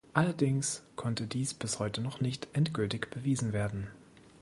Allerdings konnte dies bis heute noch nicht endgültig bewiesen werden.